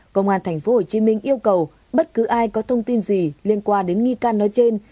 công an tp hcm yêu cầu bất cứ ai có thông tin gì liên quan đến nghi can nói trên